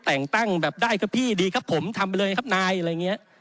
แต่งตั้งแบบได้ครับพี่ดีครับผมทำไปเลยครับนายอะไรอย่างนี้